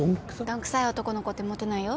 どんくさい男の子ってモテないよ。